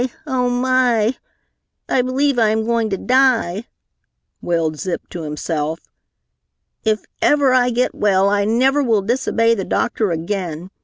Oh, my! I believe I am going to die," wailed Zip to himself. "If ever I get well I never will disobey the doctor again!